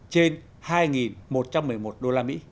trên hai một trăm một mươi một usd